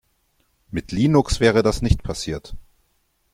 Mit Linux wäre das nicht passiert!